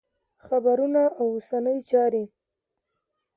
خبرونه او اوسنۍ چارې